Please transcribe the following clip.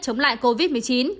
chống lại covid một mươi chín